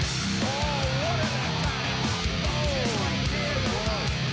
สวัสดีครับ